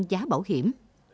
giá bảo hiểm